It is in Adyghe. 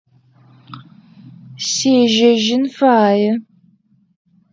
Сежьэжьын фае.